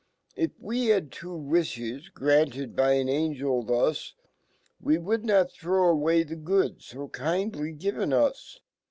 If we had had two wlfhes, granted by an Angel fhus, We would not throw away fhe good fo kind ly given us